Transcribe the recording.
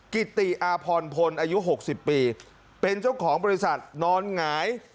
กิติอาพรพลอายุ๖๐ปีเป็นเจ้าของบริษัทนอนหงาย